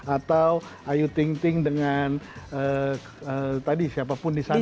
atau ayu ting ting dengan tadi siapapun disana gitu